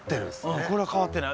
うんこれは変わってない